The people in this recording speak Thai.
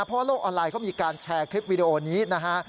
เพราะโลกออนไลน์เขามีการแชร์คลิปวิดีโอนี้นะฮะ